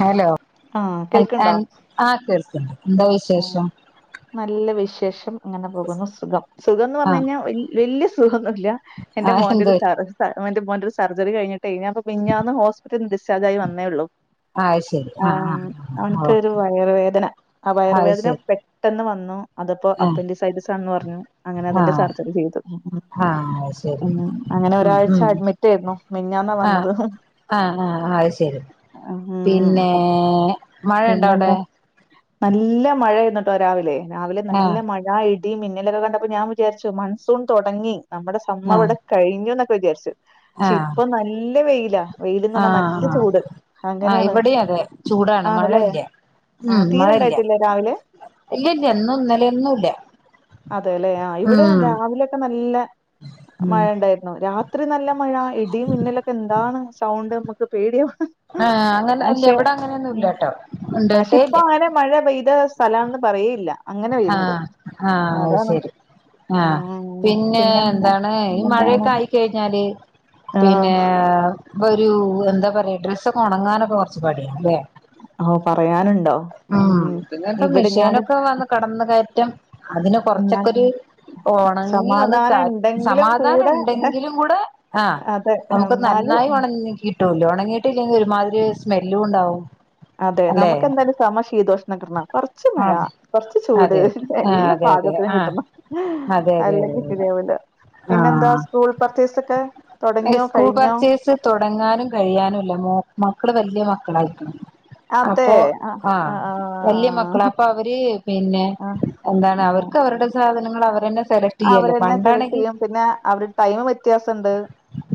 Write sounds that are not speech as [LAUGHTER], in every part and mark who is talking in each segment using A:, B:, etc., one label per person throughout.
A: Hello
B: ആഹ് കേൾക്ക്ണ്ടോ?
A: ആഹ് കേൾക്കുന്നു
B: ആഹ് നല്ല വിശേഷം ഇങ്ങനെ പോകുന്നു സുഖം സുഖം എന്ന്
A: ആ
B: പറഞ്ഞു കഴിഞ്ഞാൽ വല്ല്യ ഒന്നില്ല
A: ആ
B: എന്റെ
A: എന്ത്
B: മോന്റെഒരു സർ എന്റെ മോന്റെ ഒരു സർജറി കഴിഞ്ഞിട്ട്ഴഞ്ഞാ മിഞ്ഞാന്ന് ഹോസ്പിറ്റല ഡിസ്ചാർജ ആയി വന്നേള്ളൂ
A: ആഹ് ശരി ആ
B: ആഹ്
A: ആ ഓ
B: അവനക്ക്രു വയറുവേദന ആഹ്
A: അത്
B: വയറുവേദന
A: ശരി
B: പെട്ടെന്ന് വന്നു അതപ്പോ
A: ആ
B: അപ്പന്റെ സൈറ്റസാണന്ന് പറഞ്ഞു അങ്ങനെ അതിന്റെ സർജറി ചെയ്തു
A: ആ ആ ശരി
B: ഉം അങ്ങനെ
A: ഉം
B: ഒരാഴ്ച
A: ഉം
B: അഡ്മിറ്റ് ആയിരുന്നു മിഞ്ഞാന്നാ വന്നത്
A: ആഹ് ആഹ് അ അത് ശരി
B: ഉം
A: പിന്നെ മഴയണ്ടോ അവിടെ
B: പിന്നെന്താ നല്ല മഴ എന്നിട്ടോ രാവിലെ രാവിലെ
A: ആ
B: നല്ല മഴ ആഹ് ഇടിയ മിന്നലൊക്കെ കണ്ടപ്പോ ഞാൻ വിചാരിച്ചു മൺസൂൺ തുടങ്ങി നമ്മുടെ സമ്മ
A: ആ
B: ഇവടെ കഴിഞ്ഞു എന്നൊക്കെ വിചാരിച്ചു
A: ആ
B: പക്ഷെ ഇപ്പൊ നല്ല വെയിലാ വെയിലന്ന്
A: ആ
B: പറഞ്ഞാ നല്ല ചൂട്
A: ആ
B: അങ്ങനെയാണ്
A: ഇവിടെയും അതെ ചൂടാണ്
B: ആണല്ലേ?
A: മഴല്ല
B: ആ
A: ഉം
B: തീരെ
A: മഴല്ല
B: ഇണ്ടായിട്ടില്ല രാവിലെ?
A: ഇല്ല ഇല്ല എന്നും ഇന്നല ഒന്നുംല്ല
B: അതെല്ലെ ആ ഇവിടെ രാവിലെയൊക്കെ നല്ല
A: ഉം
B: മഴ ഉണ്ടായി രാത്രി നല്ല മഴ ഇടി മിന്നലൊക്കെ എന്താണ് സൗണ്ട് നമ്മുക്ക് പേടിയ
A: ആഹ അങ്ങനെ അല്ല എവിടെ അങ്ങനെയൊന്നുംല്ലട്ടോ
B: പക്ഷെ
A: ഉണ്ടട്ടേ
B: ഇപ്പൊ
A: ഇല്ല
B: അങ്ങനെ മഴ പെയ്ത സ്ഥലാന്ന് പറുകയില്ല
A: ആഹ ആഹ അത് ശരി
B: ആ
A: ആഹ പിന്നെ
B: പിന്നെന്താ?
A: എന്താണ് ഈ
B: പിന്നെന്താണ്?
A: മഴയൊക്കെ ആയിക്കഴിഞ്ഞാല്
B: ആ
A: പിന്നെ ഒരു എന്താ പറയാ ഡ്രസ്സൊക്കെ ഉണങ്ങാനൊക്കെ കുറച്ച് പടിയ അല്ലേ
B: ഓ പറയാനുണ്ടോ?
A: ഉ
B: മ്മ്.
A: പിന്നെ ഇപ്പ
B: ഇവിടെ ഞാന്
A: മഷേനൊക്കെ വന്ന കടന്ന കയറ്റം അതിന്
B: എന്നാൽ
A: കൊറച്ചൊക്കെരു ഉണങ്ങി ഒന്ന്
B: സമാധാനം ഇണ്ടെങ്കിലും
A: സമാധാനം
B: കൂടെ
A: ഉണ്ടെങ്കിലും കൂടെ ആഹ
B: അതെ
A: നമുക്ക്
B: എന്നാലും
A: നന്നായി ഉണങ്ങി കിട്ടൂല്ലോ ഉണങ്ങിയിട്ടില്ലെങ്കിൽ ഒരുമാതിരി സ്മെല്ലും ഉണ്ടാവും
B: അതെ
A: അല്ലെ
B: നമുക്കെന്തായാലും സമ ശീതോഷം കൊറച്ച മഴ കൊറച്ച ചൂട്
A: അതെ അതെ ആഹ്
B: എല്ലാ
A: അതെ അതെ
B: പാകത്തിലും
A: ആഹ്
B: കിട്ടണം
A: അതെ അതെ
B: അല്ലെങ്കിൽ
A: അതെ അതെ
B: ശരിയാവില്ല പിന്നെ എന്താ
A: ആഹ്
B: സ്കൂൾ പർച്ചീസ്ക്കെ
A: സ്കൂൾ പർച്ചേസ് തുടങ്ങാനും കഴിയാനുംല്ല മക്കള് വലിയ മക്കളായിരിക്ക
B: അതെ.
A: അപ്പൊ
B: ആഹ്
A: ആഹ
B: ആഹ്
A: വലയ മക്കള
B: ആഹ്.
A: അപ്പൊ അവര് പിന്നെ
B: ആഹ്
A: എന്താണ്
B: ആഹ്.
A: അവർക്ക് അവരുടെ സാധനങ്ങൾ അവർന്നെ സെലക്ട് ചെയ്യല്ലേ
B: അവരെന്നെ സെലക്ട്
A: പണ്ടാണെങ്കിൽ
B: ചെയ്യും. പിന്നെ അവരു ടൈം വ്യത്യാസംണ്ട്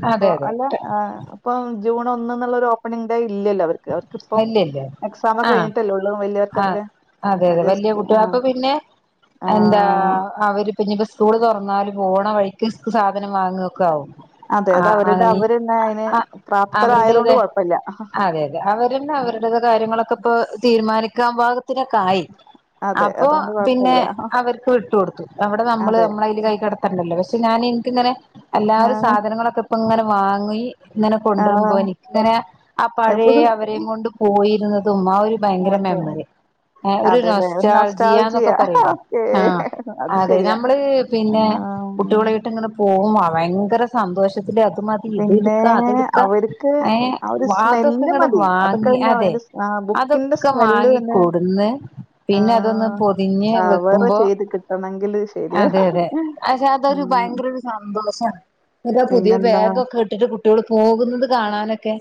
B: അപ്പൊ
A: അതെ അതെ
B: അല്ല ആ ഇപ്പം ജൂൺ ഒന്നന്നുള്ളരു ഓപ്പണിംഗ ഡേ ഇല്ലല്ലോ അവർക്ക് അവർക്കിപ്പം
A: ഇല്ല ഇല്ല
B: എക്സാം ഒക്കെ
A: ആഹ്
B: കഴിഞ്ഞിട്ടല്ലേ ഉള്ളൂ
A: ആ
B: വലിയവർക്കൊക്കെക്കെ
A: അതെ അതെ വലിയ കുട്ടിക അപ്പൊ പിന്നെ എന്താ
B: ആഹ്
A: അവര് പിന്നെ ഇപ്പോ സ്കൂള് തുറന്നാല് പോണ വഴിക്ക് സാധനം വാങ്ങുവ ഒക്കെ ആകും
B: അതെ അതെ അവരുടെ അവര്ന്നെ അതിന് പ്രാപ്തര ആയത കൊണ്ട് കുഴപ്പില്ല
A: അവരന്ന അവരുടത് കാര്യങ്ങളൊക്കെ ഇപ്പോ തീരുമാനിക്കാൻ ഭാഗത്തിനൊക്കെ ആയി
B: അതെ
A: അപ്പൊ
B: അതുകൊണ്ട്
A: പിന്നെ
B: കുഴപ്പല്ല
A: അവർക്ക് വിട്ടൊടുത്തു അവിടെ നമ്മള്
B: അതെ
A: നമ്മള അതിൽ കൈ കിടത്തണ്ടല്ലോ പക്ഷെ ഞാൻ എനിക്കിങ്ങനെ എല്ലാരും
B: ആഹ്
A: സാധനങ്ങളൊക്കെ ഇപ്പ ഇങ്ങനെ വാങ്ങി ഇങ്ങനെ കൊണ്ടുവരുമ്പോ
B: ആഹ്
A: എനിക്കിങ്ങനെ ആ
B: ഇപ്പൊ
A: പഴയ അവരെയും കൊണ്ട് പോയിരുന്നത് അതുമ്മാ ഒരു ഭയങ്കര
B: അതെ
A: മെമ്മറി ഒരു
B: അതെല്ലേ ഒരു നൊസ്റ്റാൾജിയ
A: നൊസ്റ്റാജിയന്നൊക്കെ പറയില്ലേ
B: ഓക്കേ
A: ആഹ
B: അത്
A: അതെ
B: ശരിയാ
A: നമ്മള് പിന്നെ
B: ആഹ്
A: കുട്ടികളായിട്ടിങ്ങനെ പോകുമ്പോ ഭയങ്കര സന്തോഷം അത് മതി
B: പിന്നെ
A: ഇതെടുക്ക അതെടുക്ക
B: അവർക്ക് ആ ഒരു
A: വതൊക്കെ
B: സ്മെല്ല് മതി അതൊക്കെ
A: വാങ്ങി
B: പിന്നെ
A: അതെ
B: അതിന്റെ സ്- ആ ബുക്കിന്റെ
A: അതൊക്കെ
B: സ്മെല്ല് തന്നെ
A: വാങ്ങിക്കൊടുന്ന് പിന്നെ അതൊന്ന്
B: ആഹ്
A: പൊതിഞ്ഞ്
B: കവറ്
A: വെക്കുമ്പോ
B: ചെയ്ത് കിട്ടണെങ്കില് ശരിയാ
A: അതെ അതെ പക്ഷെ അതൊരു
B: ഉം
A: ഭയങ്കര ഒരു സന്തോഷമാണ് എ പുതിയ
B: പിന്നെന്താ
A: ബാഗ് ൊക്കെ കേട്ടിട്ട് കുട്ടികൾ പോകുന്നത് കാണാനൊക്കെ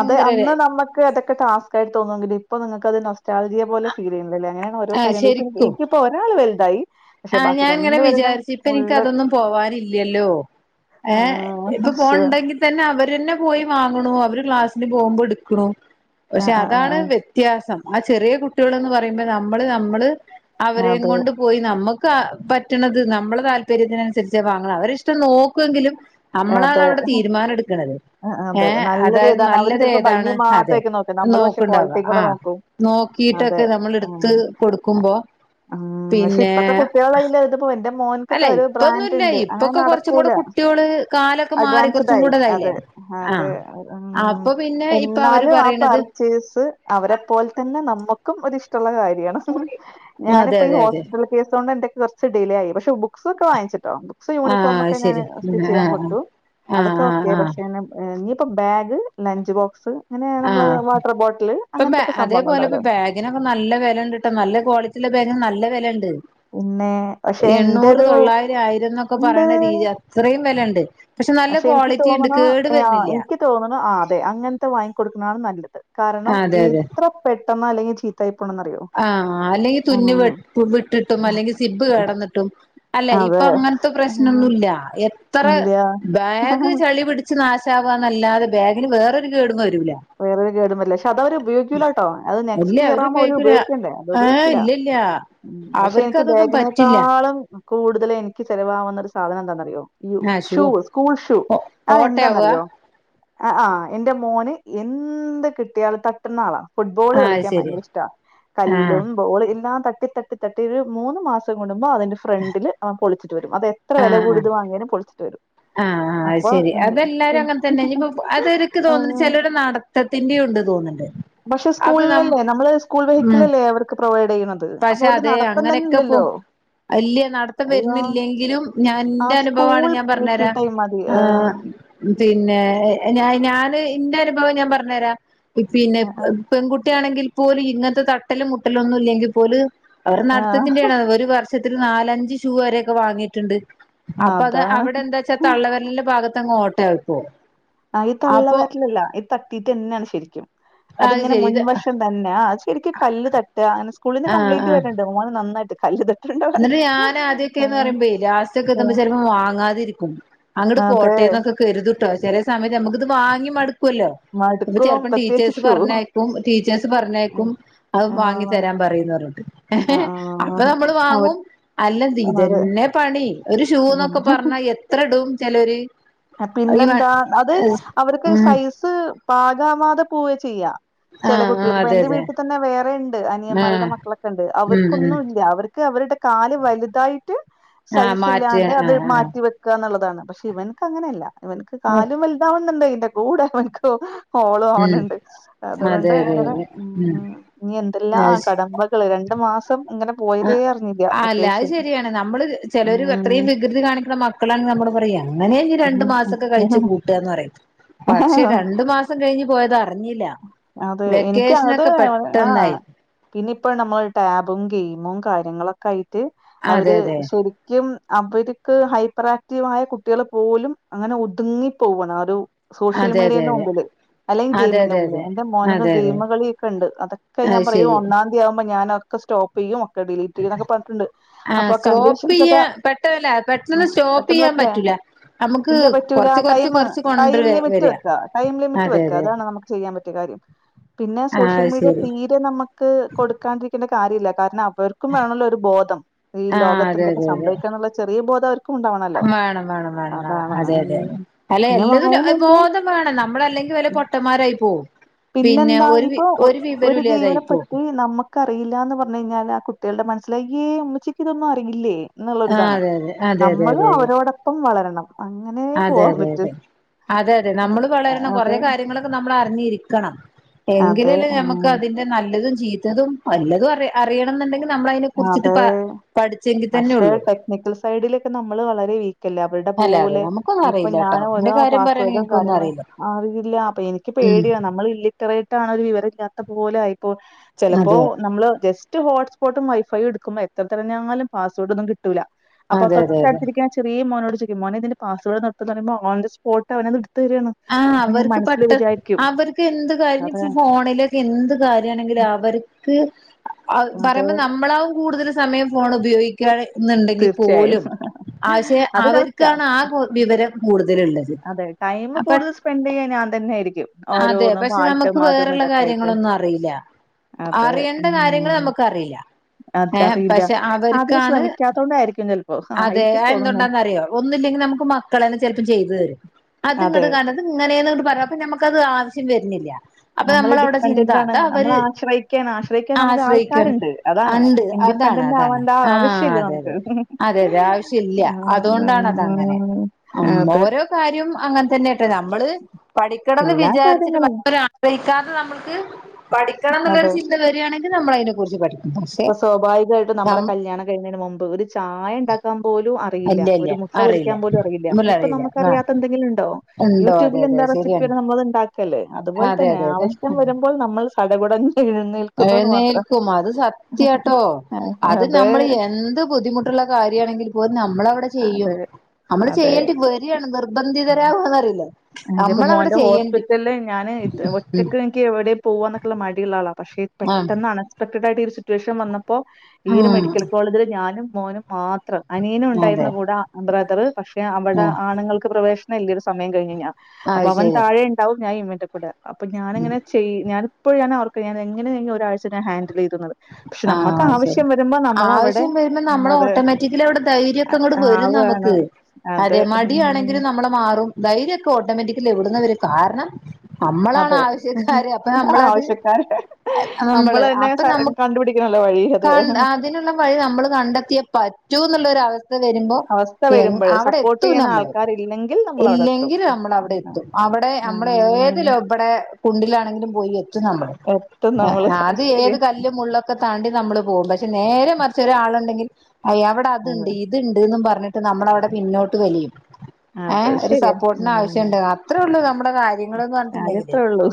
B: അതെ അന്ന് നമക്ക്തൊക്കെ ടാസ് ആായിട്ട് തോന്നെങ്കിൽ ഇപ്പ നിങ്ങക്ക് അത് നസ്റ്റാജെ പോല ഫീൽ ചെയ്യണ്ടല്ലേ അങ്ങനെ ഓരോ
A: ആഹ്
B: കാര്യ ഇ
A: ശരിക്കും
B: ഇനിിപ്പോൊ ഒരാൾ വലുതായി പക്ഷെ
A: ആഹ്
B: ബാക്കി
A: ഞാാന ഇങ്ങനെ
B: രണ്ടുപേരുടെയും
A: വിചാരിച്ച ഇപ്പ എനിിക്ക
B: ഉള്ള്
A: അതൊന്നും പോവാനില്ലല്ലോ ഏഹ ഇപ്പൊ
B: ആഹ് ശ്ശോ.
A: പോണണ്ടെങ്കിൽ തന്നെ അവര്ന്നെ പോയി വാങ്ങണ അവര് ക്ലാസിന് പോകുമ്പോ എടുക്കണു പക്ഷെ
B: ആഹ് ആഹ്
A: അതാണ്
B: ആഹ്
A: വ്യ വ്യത്യാസം ആ ചെറിയ കുട്ടികൾന്ന് പറയുമ്പോ നമ്മള് നമ്മള്
B: ആഹ്
A: അവരും
B: അതെ
A: കൊണ്ട് പോയി നമ്മുക്ക് പറ്റണത് നമ്മളെ താല്പര്യത്തിനനുസരിച്ച് വാങ്ങണം അവരിഷ്ടം നോക്കുമെങ്കിലും
B: അതെ
A: നമ്മളാണവിടെ തീരുമാനം എടുക്ക്ണത്
B: ആഹ്
A: ഏ
B: അതെ നല്ലത്
A: അതായത്
B: ഏതാണ് അവര്
A: നല്ലത്
B: ചിലപ്പോ ഭംഗി
A: ഏതാണ് അതെ
B: മാത്രമായിരിക്കും നോക്ക നമ്മള് പക്ഷെ
A: നോക്കണ്ടവാ
B: ക്വാളിറ്റിയും കൂടെ
A: ആഹ
B: നോക്കും അതെ
A: നോക്കിട്ടൊക്കെ നമ്മൾ എടുത്ത് കൊടുക്കുമ്പോ
B: ഉ പക്ഷെ
A: പിന്നെ
B: ഇപ്പത്തെ കുട്ടികള ഇപ്പോ എന്റെ മോൻ
A: അല്ല ഇപ്പൊൊന്നുമല്ല ഇപ്പൊക്കെ കുറച്ചും കൂടെ കുട്ടികള് കാലൊക്കെ മാറി
B: അഡ്വാൻസ്ഡ്
A: കുറച്ചും
B: ആയി
A: കൂടെ ഇതായില്ലേ
B: അതെ
A: ആഹ
B: അതെ
A: അപ്പൊ പിന്നെ ഇപ്പൊ അവര് പറയണത്
B: ചീസ് അവരെ പോലെ തന്നെ നമ്മക്കും ഒര് ഇഷ്ടള്ള കാര്യാണ്
A: അതെ
B: ഞാനിപ്പോ ഈ
A: അതെ അതെ
B: ഹോസ്പിറ്റല കേസ് കൊണ്ട് ഇന്റൊക്കെ കുറച്ച് ഡിലേ ആയി പക്ഷെ ബുക്ക്സൊക്കെ വാങ്ങിച്ച്ട്ടോ ബുക്ക്സ്
A: ആഹ്
B: യൂണഫോമ്
A: അത്
B: ഒക്കെ ഞാന്
A: ശരി
B: സ്റ്റിച്ച്
A: ആഹ്
B: ചെയ്യാൻ കൊട്
A: ആഹ്
B: അതൊക്കെ
A: ആഹ്
B: ഓക്കെ
A: ആഹ്
B: പക്ഷെ നീയിപ്പ ബാഗ് ലഞ്ച് ബോക്സ് അങ്ങനെ നമ്മള്
A: ആഹ്
B: വാട്ടർ ബോട്ടിൽ അങ്ങനത്തൊക്കെ സംഭവങ്ങള്ണ്ടാവ് ലെ
A: ബാഗിനൊക്ക നല്ല വിലണ്ട് ട്ടാ നല്ല ക്വാളിറ്റി ഇള്ള ബാഗിന് നല്ല വെല ഇണ്ട്
B: പിന്നെ പക്ഷെ എന്റെ
A: എണ്ണൂറ്
B: ഒരു
A: തൊള്ളായിരം ആയിരംന്നൊക്കെ പറയ്ണ
B: ഇന്റെ
A: രീതി അത്രയും വിലണ്ട് പക്ഷെ നല്ല ക്വാളിറ്റി ഇണ്ട് കേട് വര്ണില്ല
B: എനിക്ക് തോന്ന്ണു ആഹ് അതെ അങ്ങനത്തെ വാങ്ങികൊടുക്ക്ന്നതാണ് നല്ലത് കാരണം
A: അതെ അതെ
B: ഇത്ര പെട്ടെന്ന് അല്ലെങ്കി ചീത്ത ആയി പോണന്ന് അറിയോ
A: ആഹ അല്ലെങ്കിൽ തുന്ന് വെട്ട വിട്ടിട്ടും അല്ലെങ്കിൽ സിബ്ബ് കേടന്നിട്ടും അല്ലെ
B: അതെ.
A: ഇപ്പൊ അങ്ങനത്തെ പ്രശ്നം
B: ഉം
A: ഒന്നുല്ല എത്ര
B: ഇല്ല.
A: ബാഗ് ചളി പിടിച്ച് നാശവാന്നല്ലാതെ ബാഗിന് വേറൊരു കേടും വരൂല
B: വേറെ ഒരു കേടും വരില്ല പക്ഷെ അത് അവര് ഉപയോഗിക്കൂലാട്ടാ അത്
A: ഇല്ല
B: നെക്സ്റ്റ് ഇയർ
A: അവര്
B: ആമ്പൊ ഒരു
A: ഉപയോഗിക്കൂല
B: ഉപയോഗിക്കണ്ടേ അത്
A: ഏ
B: ഉപയോഗിക്കൂല
A: ഇല്ലല്ല
B: ഉം പക്ഷെ
A: അവർക്ക്
B: എനിക്ക്
A: അതൊന്നും പറ്റില്ല
B: ബേഗിനേക്കാളും കൂടുതല് എനിക്ക് ചിലവാവുന്ന ഒരു സാധനം എന്താന്നറിയോ യു
A: ആ ഷൂ
B: ഷൂവ് സ്കൂൾ ഷൂ അത്‌
A: ഓട്ടയാവുക
B: എന്താന്നറിയോ ആഹ് ആഹ് എന്റെ മോന് എന്ത് കിട്ടിയാലും തട്ട്ന്ന ആളാ ഫുട്ബോള്
A: ആ അത്
B: കളിക്കാൻ
A: ശരി
B: ഭയങ്കര ഇഷ്ടാ
A: ആ
B: കല്ലും ബോൾ എല്ലാം തട്ടി തട്ടി തട്ടി ഒരു മൂന്ന് മാസം കൂടുമ്പോ അതിന്റെ ഫ്രണ്ടില് അവൻ പൊളിച്ചിട്ട് വരും അത് എത്ര വില കൂടിയത് വാങ്ങിയാലും പൊളിച്ചിട്ട് വരും
A: ആഹ് ആഹ് അത്
B: അപ്പൊ
A: ശരി
B: ഇനി
A: അതെല്ലാരും അങ്ങന് തന്നെ ഇനി ഇപ്പ അതൊര് ഇക്ക്
B: ഉം
A: തോന്ന്ന്നു ചിലോര് നട ത്തിന്റേം ഉണ്ട് തോന്ന്ണ്ട്
B: പക്ഷെ സ്കൂളിലല്ലേ നമ്മള് സ്കൂൾ
A: ഉം
B: വെഹിക്കിളല്ലേ അവർക്ക് പ്രൊവൈഡ് ചെയ്യ്ണത്
A: പക്ഷെ അത് അങ്ങനെഒക്കെ പോ ഇല്ല നടത്തം
B: അയ്യോ,
A: വരുന്നില്ലെങ്കിലും ഞാൻ
B: ആ
A: ഇന്റെ അനുഭവാണ്
B: സ്കൂൾ
A: ഞാൻ പറഞ്ഞ്
B: പി
A: തരാം
B: ടൈം മതി ആ,
A: ആഹ് പിന്നെ ഞാന് ഇന്റെ അനുഭവം ഞാൻ പറഞ്ഞരാം പിന്നെ പെൺകുട്ടിയാണെങ്കിൽ പോലും ഇങ്ങനത്തെ തട്ടലും മുട്ടലൊന്നും ഇല്ലെങ്കിൽ പോലും അവരെ
B: ആ,
A: നടത്തത്തിന്റെ ആണ് ഓര് വർഷത്തില് നാലഞ്ച് ഷൂ വരെയൊക്കെ വാങ്ങിയിട്ടുണ്ട് അപ്പൊ അത്
B: അതാണ്
A: അവിടെ എന്താച്ചാ തള്ള വെരലിന്റെ ഭാഗത്തങ്ങ് ഓട്ട ആയിപ്പോവും
B: ആഹ് ഈ തള്ളവെരലല്ല ഇത് തട്ടീട്ടെന്നെണ് ശരിക്കും
A: അത്
B: അതിങ്ങനെ
A: ശരി ഇത്
B: മുൻവശം തന്നെ ആഹ് ശരിക്ക് കല്ല് തട്ട അങ്ങനെ സ്കൂളിന്ന്
A: ആഹ്
B: കംപ്ലയിന്റ് വര്ണണ്ട് മോന് നന്നായിട്ട് കല്ല് തട്ട്
A: അന്ന്ട്ട് ഞാൻ ആദ്യൊക്കെന്നറിയുമ്പേ ലാസ്റ്റ് ഒക്കെ എന്തുമ്പ ചെലപ്പോ വാങ്ങാതിരിക്കും അങ്ങട്ട്
B: ആഹ് അതെ
A: പോട്ടേന്നൊക്കെ കരുതുട്ടോ ചെലെ സമയത്ത് ഞമ്മക്ക് ഇത് വാങ്ങി മടുക്കുല്ലോ പ്പൊ
B: മടുക്കും
A: ചെൽപ്പോ
B: പ്രത്യേകിച്ച്
A: ടീച്ചേഴ്സ്
B: ഷൂ
A: പറഞ്ഞയക്കും ടീച്ചേഴസ് പറഞ്ഞയക്കും
B: ആഹ്
A: അഹ് വാങ്ങി
B: ആഹ്
A: തെരാൻ പറയ്ന്ന്റഞ്ഞിട്ട് അപ്പൊ
B: ആഹ്
A: നമ്മള് വാ
B: അവർ
A: വാങ്ങും അല്ല
B: അതെ
A: ഇതെന്നെ പണി ഒരു ഷൂന്നൊക്കെ
B: ഇതന്നെ
A: പറ്ന്നാ എത്ര ഇടും ചെലോര്
B: പിന്നെന്താ അത് അവർക്ക്
A: ഉം
B: സൈസ് പാകാവാതെ പോവ ചെയ്യാ ചെല
A: ആഹ് ആഹ്
B: കുട്ടികൾക്ക് ഇപ്പൊ
A: അതെ
B: എന്റെ
A: അതെ
B: വീട്ടി
A: ആഹ്
B: തന്നെ വേറെ ഇണ്ട് അനിയന്മാരുടെ മക്കളൊക്കെ ഇണ്ട്
A: ഉം ഉം
B: അവർക്കൊന്നും ഇല്ല അവർ അവരുടെ കാല് വലുതായിട്ട്
A: ആഹ്
B: സൈസ്
A: മാറ്റ്
B: ഇല്ലാണ്ട് അത്
A: ആഹ് ആഹ്
B: മാറ്റി വെ ക്കാന്ന്ള്ളതാണ് പക്ഷെ ഇവൻക്ക് അങ്ങനല്ല ഇവനക്ക്
A: ഉം
B: കാലും വലുതാവുന്നുണ്ട് ഇന്റെ കൂടെ ഇവൻക്കും ഓളു
A: അതെ
B: ഓനുണ്ട് അതുകൊണ്ട്
A: അതെ
B: ഇങ്ങനെ
A: അതെ ഉം
B: മ് ഇനി എന്തെല്ലാം
A: അത്
B: കടമ്പ രണ്ട് മാസം ഇങ്ങനെ
A: ആഹ്
B: പോയതേ അറിഞ്ഞില്ല
A: അല്ല അഹ്
B: വെക്കേഷൻ
A: ശരിയാണ് നമ്മള് ചെലോര് അത്രയും വികൃതി കാണിക്കണ മക്ക ക്കളാ നമ്മള് പറയ എങ്ങനെ ഇനി രണ്ടു മാസൊക്കെ കഴിച്ചു കൂട്ടാന്ന് പറയും പക്ഷെ
B: ഉം
A: രണ്ട് മാ സം കയിഞ്ഞ് പോയതറിഞ്ഞില്ല
B: അതെ എനിക്ക് അത് ആഹ പിന്നെ ഇപ്പോ നമ്മൾ ടാബും ഗെയിമും കാര്യങ്ങളൊക്കെ ആയിറ്റ്
A: അതെ
B: അവര്
A: അതെ
B: ശെരിക്കും അവര്ക്ക് ഹൈപ്പർ ആക്റ്റീവ് ആയ കുട്ട്യാൾ പോലും അങ്ങനെ ഒതുങ്ങിപ്പോവാണ് ആ ഒരു സോഷ്യൽ
A: അതെ അതെ
B: മീഡിയെന്റെ
A: അതെ
B: മുമ്പില് അല്ലെങ്കിൽ
A: അതെ
B: ഗെയിമിന്റെ
A: അതെ
B: മുമ്പില്
A: അതെ
B: എന്റെ മോന്
A: അതെ അതെ
B: ഗെയിമ് കളിക്കെണ്ട് അതൊക്കെ ഞാൻ
A: അത്
B: പറയും
A: ശരി
B: ഒന്നാം തി ആവുമ്പോ ഞാനൊകെ സ്റ്റോ പ്പെയ്യും ഒക്കെ ഡിലീറ്റ്യ്യു ന്നൊക്കെ പർട്ട്ണ്ട്
A: ആ
B: അപ്പൊ
A: സ്റ്റോപ്പ്
B: കണ്ടീഷൻസൊക്കെ
A: ചെയ്യാ പെട്ടല്ല
B: മ്
A: പെട്ടെന്ന് സ്റ്റോപ്പ്
B: പെട്ടന്ന്
A: ചെയ്യാൻ
B: പറ്റ്ലെ?
A: പറ്റൂല നമുക്ക്
B: ഇല്ല പറ്റൂളാ
A: കൊറച്ച് കൊറച്ച്
B: ടൈമ്
A: കൊറച്ച് കൊണ്ട്
B: ടൈം
A: വ
B: ലിമിറ്റ്
A: വരിക
B: വെക്ക ടൈം ലിമിറ്റ്
A: അതെ
B: വെക്കാ
A: അതെ
B: അതാണ് നമുക്ക് ചെയ്യാ പറ്റ [UNINTELLIGIBLE] പിന്നെ
A: ആ
B: സോഷ്യൽ
A: അത്
B: മീഡിയ
A: ശരി
B: തീരെ നമക്ക് കൊടുക്കാണ്ടിരിക്കേണ്ട കാര്യല്ല്യ കാര്ണം അവർ ക്കും വേണല്ലോ ഒരു ബോധം ഈ
A: ആ
B: ലോകത്ത്
A: അതെ
B: എന്തൊക്കെ
A: അതെ അതെ
B: സംഭവിക്കാനുള്ള ചെറിയ ബോധം അവര്
A: വേണം വേണം വേണം വേണം അതെ
B: ഉം
A: അതെ അല്ല
B: പിന്നെ
A: എല്ലതിനും
B: വായനല്ല
A: ബോധം വേണം നമ്മള് അല്ലെങ്കി വല്ല്യ പൊട്ടമാരായി പോവും. പിന്നെ
B: പിന്നെന്താ
A: ഒരു
B: ഇപ്പൊ
A: വിവരം
B: ഒരു ഗെയിമിനെ
A: ഇല്ലാതായിപ്പോവും
B: പറ്റി നമ്മ ക്കറിയില്ലാന്ന് പർഞ്ഞ് കഴിഞ്ഞാല് ആ കുട്ട്യേൾടെ മനസ്സില് അയ്യേ ഉമ്മചിക്കതൊന്നും അറിയില്ലേ?
A: ആ
B: ന്ന്ള്ളോര്താണ്
A: അതെ അതെ അതെ
B: നമ്മളും
A: അതെ
B: അവരോടൊപ്പം വളരണം അങ്ങനെ
A: അതെ
B: പോവാൻ
A: അതെ
B: പറ്റൂ
A: അതെ അതെ അതെ നമ്മള് വളരണം
B: അതെ
A: കൊറെ കാര്യങ്ങള് നമ്മളർഞ്ഞിര്ക്കണം
B: അതെ
A: എങ്കിലല്ലേ ഞമക്ക്
B: ഉം
A: അതിന്റെ നല്ലതും ചീത്തതും വല്ലതും അറി അറിയണന്ന്ണ്ടെങ്കില് നമ്മളയ്നെ
B: അതെ
A: കുറിച്ചിട്ട് പ പഠിച്ചെങ്കി തന്നെ ഒള്ളൂ.
B: നെക്കിൽ സൈഡിലൊക്കെ നമ്മള് വളരെ വീക്കല്ലേ അപ് വർടെ
A: അല്ലാതെ
B: പോലെ
A: നമുക്കൊന്നും
B: ഇപ്പൊ
A: അറിയില്ല കേട്ടോ
B: ഞാനും
A: എന്റെ
B: ഓരോ
A: കാര്യം പറയണെങ്കിൽ
B: പാസ്വഡോ
A: എനിക്കൊന്നും
B: കാര്യങ്ങളോ
A: അറിയില്ല
B: അറില്ല അപ്പ എനി ക്ക്
A: ഉം
B: പേടിയാണ് നമ്മൾ ഇല്ല [UNINTELLIGIBLE] വിവര ഇല്ലാത്ത പോലെ ആയിപ്പോ ചെലപ്പോ
A: അതെ
B: നമ്മള് ജസ്റ്റ് ഹോട്ട്സ് പോട്ടും വൈഫൈയും എടുക്കുമ്പോ എത്ര തെരഞ്ഞാലും പാസ് വേർഡ് ഒന്നും കിട്ടൂല
A: അതെ
B: അപ്പോ
A: അതെ അതെ
B: തൊട്ടട്തിരിക്കണ ചെ ചെറിയ മോനോട്‌ ചോയ്ക്കും മോനേ ഇതിന്റെ പാസ്സ്‌വേർഡോന്നെടുത്ത് തരോ ഓൺന്തസ്പോട്ട് അവനത് എടുത്ത് തെരാണ്.
A: ആഹ് അവർക്ക് പെട്ട അവർക്ക് എന്ത് കാര്യു
B: അതെ
A: പ്പ ഫോണില് എന്ത് കാര്യണെങ്കിലും അവർക്ക് ആ
B: അതെ
A: പറയുമ്പ നമ്മളാവും കൂടുതല് സ് സമയം ഫോണ് ഉപയോ ഗിക്കാന്ന്ണ്ടെങ്കി
B: തീർച്ചയായും
A: പോലും ആ ഷെ
B: അത് കറക്റ്റാ
A: അവർക്കാണ് ആ കൂ വിവരം. കൂട്തല്ള്ളത്.
B: അതെ ടൈമ് കൂടുത സ്പെന്റയ്യാ ഞാൻ തന്നൊയിരിയ്ക്കും
A: അതെ
B: ഓരോന്ന് പാട്ട് അതും ഇതൊക്കായിട്ട്.
A: ല്ല അറിയണ്ട കാര്യങ്ങള്
B: മ്മ്.
A: നമ്മക്ക് അറീല. ഏ
B: അതറിയില്ല.
A: പക്ഷേ
B: അതിന്
A: അവര്ക്കാണ്
B: ശ്രമിക്കാത്തോണ്ടായിരിക്കും ചെലപ്പോ.
A: അതെ
B: ആയിരിക്കും
A: അഹ്
B: തോന്നുന്നു.
A: എന്തോണ്ടന്നറിയോ? ഒന്നില്ലെങ്കിൽ നമുക്ക് മക്കളെന്നെ ചെലപ്പൊ ചെയ്ത് തരും. അത്
B: അതെ.
A: ഇങ്ങട്ട് കര അത് ഇങ്ങനെന്ന് പറയാം അപ്പൊ നമുക്കത് ആവശ്യം വര്ന്നില്ല്യ. അപ്പൊ
B: നമ്മള്
A: നമ്മളവടെ
B: ഡിപെൻഡന്റ് ആണ്. നമ്മളെ
A: ചിന്താതഅവര്
B: ആശ്രയിക്കാൻ ആശ്രയിക്കാൻ നമുക്ക്
A: ആശ്രയികാണ്.
B: ആൾക്കാരുണ്ട്. അതാണ്.
A: ആഹ് ണ്ട്. അതാണ്
B: ഇൻഡിപെൻഡന്റ്
A: അതാണ്
B: ആവേണ്ട
A: ആഹ്
B: ആവശ്യമില്ല
A: അതെ അതെ
B: നമുക്ക്.
A: അതെ അതെ ആവശ്യല്ല. അതുകൊണ്ടാണ് അതങ്ങനെ
B: ആഹ്.
A: ഉം
B: അതെ.
A: ഓരോ കാര്യം അങ്ങ അങ്ങൻതന്നെയാട്ടാ നമ്മള് പഠിക്കണന്ന്
B: എല്ലാ
A: വിചാരിച്ചിട്ട്
B: കാര്യങ്ങളും.
A: മറ്റൊരാളെ അറിയിക്കാതെ നമ്മൾക്ക് പഠിക്കണം
B: അതെ.
A: എന്നുള്ളൊരു ചിന്ത വരാണെങ്കിൽ നമ്മളതിനെ കുറിച്ച് പഠിക്കും. പക്ഷെ
B: ഇപ്പൊ സ്വാഭാവികമായിട്ടും നമ്മുടെ
A: നം
B: കല്ല്യാണം കഴിയുന്നേന് മുമ്പ് ഒരു ചായ ഉണ്ടാക്കാൻ പോലും അ റിയില്ല
A: ഇല്ല ഇല്ല
B: ഒരു മുട്ട
A: അറിയില്ല
B: പൊരിക്കാൻ പോലും അറിയില്ല
A: മുല
B: ഇപ്പ
A: അറിയില്ല ആ
B: നമ്മക്കറിയാത്ത എന്തെങ്കിലുണ്ടോ?
A: ഉണ്ടോ അതെ
B: യൂട്യൂബിൽ
A: അതെ
B: എന്താ റെസിപ്പി
A: ശരിയാണ്
B: നമ്മള് ണ്ടാക്കല്.
A: അതെ
B: അതുപോൽതന്നെ
A: അതെ അതെ
B: ആവശ്യം വരുമ്പോൾ നമ്മൾ സടകുടഞ്ഞ് എഴുന്നേൽ
A: ഏഴുന്നേൽക്കും അത് സത്യട്ടോ. അത്
B: അതെ
A: നമ്മള് എന്ത് ബുദ്ധിമുട്ടുള്ള കാര്യമാണെങ്കിലും പോലും നമ്മൾ അവിടെ ചെയ്യും.
B: അതെ
A: നമ്മള്
B: അതെ.
A: ചെയ്യേണ്ടി വരാണ് നിർബന്ധിതരാകുവാന്ന് പറയില്ലെ.
B: ഇതിപ്പോ മോന്റെ ഹോസ്പിറ്റലില് ഞാന് ത്
A: ഉം
B: ഒറ്റക്ക് എനിക്ക് എവിടെയും പോവാനൊക്കുള്ള മടിയുള്ള ആളാ. പക്ഷേ
A: ആഹ്
B: പെട്ടന്ന് അൺഎക്സ്പെക്ടഡ് ആയിട്ട് ഒരു സിറ്റുവേഷൻ വന്നപ്പോ ഈ ഒരു
A: ഉം
B: മെഡിക്കൽ കോളേജില് ഞാനും മോനും മാത്രം. അനിയനും
A: അതെ
B: ഉണ്ടായിരുന്നു കൂടെ ബ്രദറ് പക്ഷേ അവിടെ
A: ആഹ്
B: ആണുങ്ങൾക്ക് പ്രവേശനം ഇല്ലല്ലോ സമയം കഴിഞ്ഞു കഴിഞ്ഞാ. അപ്പൊ
A: അത്
B: അവൻ
A: ശരി
B: താഴെ ഉണ്ടാവും ഞാൻ ഇവന്റെ കൂടെ അപ്പൊ ഞാനിങ്ങനെ ചി ട്ടയ് ഞാനിപ്പോ അത് ഓർക്കാ ഞാനെങ്ങനെ ഒരാഴ്ച ഹാൻഡിൽ ചെയ്തൂന്നത്.
A: ആഹ് ശരി.
B: നമ്മളവിടെ
A: ആവശ്യം വരുമ്പോ നമ്മള്
B: അതെ
A: ഓട്ടോമാറ്റിക്കലി അവിടെ ധൈര്യം ക്കങ്ങട് വരും
B: ആവാണ്.
A: നമുക്ക്
B: അതെ. ഉം.
A: അരമടിയാണെങ്കിലും നമ്മള മാറും. ധൈര്യമൊക്കെ ഓട്ടോമാറ്റിക്കലി എവിടുന്നാവരാ. കാരണം നമ്മളാണ്
B: അതെ.
A: ആവശ്യക്കാര് അപ്പൊ നമ്മളത്
B: ആവശ്യക്കാരെ നമ്മൾ
A: നമ്മള്
B: തന്നെ
A: അപ്പൊ
B: സ
A: നമുക്ക്
B: കണ്ടുപിടി നല്ല വഴി അത്
A: അതിനുള്ള വഴി നമ്മള് കണ്ടെത്തിയേ പറ്റൂ എന്നുള്ള ഒരവസ് ഥ വരുമ്പോ
B: അവസ്ഥ
A: എ
B: വരുമ്പഴ്
A: അവിടെ
B: സപ്പോർട്ട്
A: എത്തും
B: ചെയ്യാൻ
A: നമ്മള്.
B: ആൾക്കാരില്ലെങ്കിൽ നമ്മളവിടെ എത്തും.
A: ഇല്ലെങ്കിൽ നമ്മൾ
B: ഉം
A: അവിടെ എത്തും. അവിടെ നമ്മള്
B: ഉം.
A: ഏതിലോ ഇവിടെ കുണ്ടിലാണെങ്കിലും പോയി എ ച്ചു നമ്മള്.
B: എത്തും നമ്മള് അത്
A: ആദ്യം ഏത്
B: ശരിയാ.
A: കല്ല് മുള്ളൊക്കെ താണ്ടി നമ്മള് പോകും. പക്ഷെ നേരെ മറിച്ച് ഒരാളുണ്ടെങ്കിൽ ഹയ് അവിടെ
B: അതെ
A: ഇ ഇത്ണ്ട്ന്ന് പറഞ്ഞിട്ട് നമ്മള് അവിടെ പിന്നോട്ട് വലിയും.
B: അത്
A: ഏഹ് ഒരു
B: ശരിയാ.
A: സപ്പോർട്ടിന്
B: ഉം
A: ആവശ്യം ഉണ്ട്. അത്രേയുള്ളൂ നമ്മുടെ കാര്യങ്ങളെന്ന്
B: കാര്യം
A: പറഞ്ഞിട്ടുണ്ടെങ്കില്.
B: അത്രേ ഉള്ളൂ.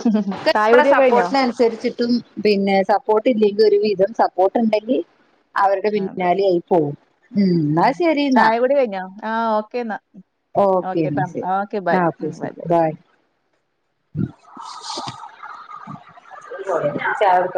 A: ക്ക്
B: ചായ
A: എപ്പളാ
B: കുടിയൊക്കെ കഴിഞ്ഞോ?
A: സപ്പോർട്ടിന് അനുസരിച്ചിട്ടും പിന്നെ സപ്പോർട്ട് ഇല്ലെങ്കിൽ ഒരു വിധം സപ്പോർട്ട് ഉണ്ടെങ്കി അവരുടെ
B: അതെ.
A: പിന്നാലെയായി പോവും. ഉം എന്നാ ശരി എന്നാ.
B: കുടി കഴിഞ്ഞോ? ആഹ് ഓക്കേ എന്നാ.
A: ഓക്കെ എന്നാ ശരി. ആഹ് ഓക്കെ
B: ബൈ
A: ശരി.
B: ബൈ.
A: ബായ്. [UNINTELLIGIBLE]